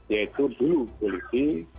yaitu dulu politik